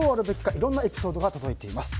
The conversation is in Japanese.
いろいろなエピソードが届いています。